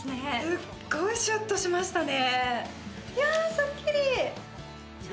すっごいシュッとしましたねやスッキリ！